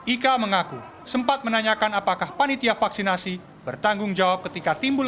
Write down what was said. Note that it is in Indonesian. ika mengaku sempat menanyakan apakah panitia vaksinasi bertanggung jawab ketika timbul